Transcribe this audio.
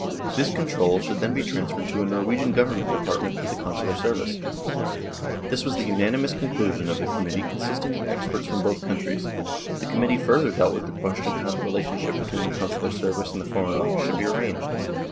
This control should then be transferred to a Norwegian Government department for the Consular service." This was the unanimous conclusion of the com mittee consisting of experts from both countries. The committee further dealt with the question how the relationship between the Consular service and the Foreign Office should be arranged.